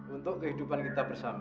untuk kehidupan kita bersama